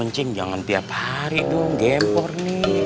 cing jangan tiap hari dong gempor nih